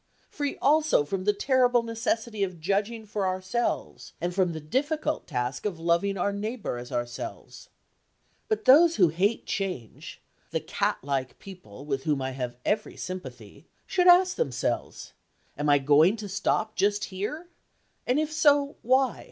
Free also from the terrible necessity of judging for ourselves and from the difficult task of loving our neighbour as ourselves. But those who hate change—the catlike people with whom I have every sympathy—should ask themselves, "Am I going to stop just here? And, if so, why?